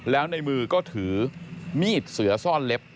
แล้วในมือก็ถือมีดเสือซ่อนเล็บ